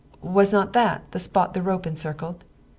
Was not that the spot the rope encircled